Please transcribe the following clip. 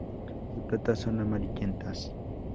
Sus patas son amarillentas.